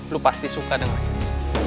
lu pasti suka denger